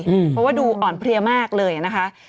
เพราะว่าดูอ่อนเพลียมากเลยนะคะ